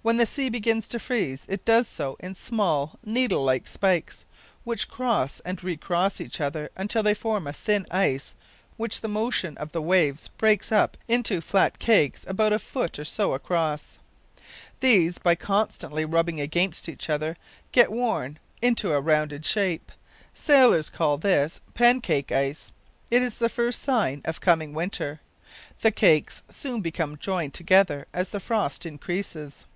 When the sea begins to freeze it does so in small needle like spikes, which cross and recross each other until they form thin ice, which the motion of the waves breaks up into flat cakes about a foot or so across. These, by constantly rubbing against each other, get worn into a rounded shape. Sailors call this "pancake ice." It is the first sign of coming winter. The cakes soon become joined together as the frost increases.